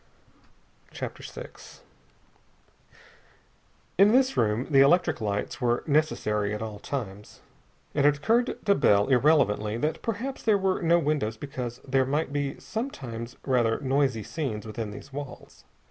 CHAPTER VI In this room the electric lights were necessary at all times. And it occurred to Bell irrelevantly that perhaps there were no windows because there might be sometimes rather noisy scenes within these walls.